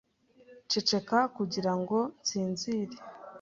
Ceceka kugirango nsinzire.